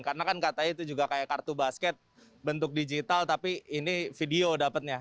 karena kan katanya itu juga kayak kartu basket bentuk digital tapi ini video dapatnya